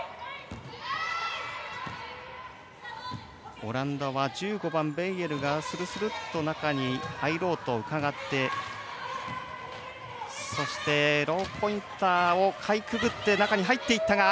オランダは１５番ベイエルがするするっと中に入ろうとしてそして、ローポインターをかいくぐって中に入っていった。